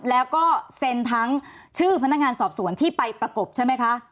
แล้วก็เซ็นทั้งชื่อพนักงานสอบสวนที่ไปประกบใช่ไหมคะ